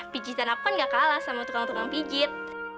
pijitan aku kan gak kalah sama tukang tukang pijit